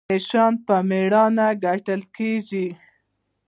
نشان په میړانه ګټل کیږي